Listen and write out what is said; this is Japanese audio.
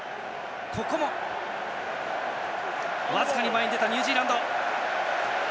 僅かに前に出たニュージーランド。